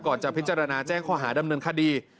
จะพิจารณาแจ้งข้อหาดำเนินคดี